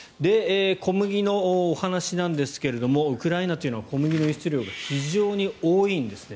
小麦のお話ですがウクライナというのは小麦の輸出量が非常に多いんですね。